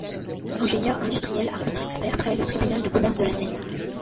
Ingénieur, industriel, arbitre-expert près le tribunal de commerce de la Seine.